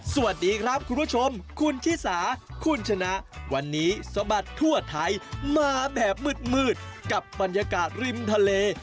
สวัสดีครับคุณผู้ชมคุณชิสาคุณชนะวันนี้สะบัดทั่วไทยมาแบบมืดกับบรรยากาศริมทะเล